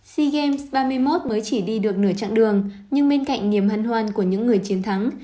sea games ba mươi một mới chỉ đi được nửa chặng đường nhưng bên cạnh niềm hân hoan của những người chiến thắng